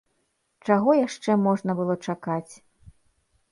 Чаго яшчэ можна было чакаць!